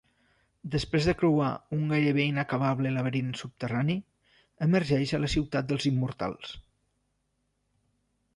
Després de creuar un gairebé inacabable laberint subterrani, emergeix a la ciutat dels Immortals.